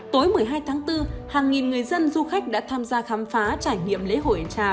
tối một mươi hai tháng bốn hàng nghìn người dân du khách đã tham gia khám phá trải nghiệm lễ hội ánh trà